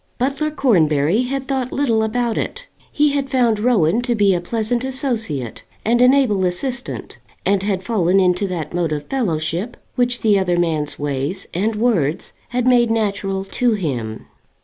Butler Cornbury had thought little about it. He had found Rowan to be a pleasant associate and an able assistant, and had fallen into that mode of fellowship which the other man's ways and words had made natural to him.